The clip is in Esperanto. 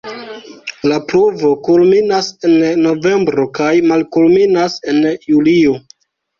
La pluvo kulminas en novembro kaj malkulminas en julio.